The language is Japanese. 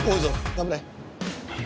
頑張れ。